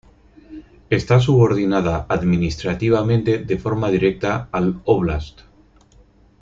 Está subordinada administrativamente de forma directa al óblast.